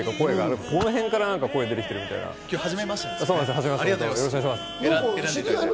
この辺から声が出てきてるみたいな感じ。